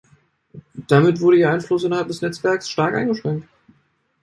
Damit wurde ihr Einfluss innerhalb des Netzwerkes stark eingeschränkt.